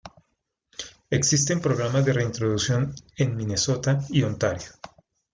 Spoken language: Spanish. Existen programas de reintroducción en Minnesota y Ontario.